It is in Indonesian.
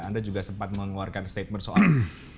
anda juga sempat mengeluarkan statement soal